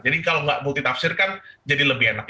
jadi kalau enggak multi tafsir kan jadi lebih enak